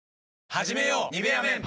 はじめよう「ニベアメン」